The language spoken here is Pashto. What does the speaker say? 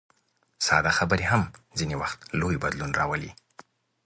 ساده خبره هم ځینې وخت لوی بدلون راولي.